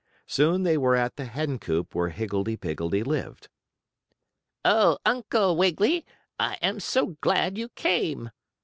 Soon they were at the hen coop where Higgledee Piggledee lived. "Oh, Uncle Wiggily, I am so glad you came!"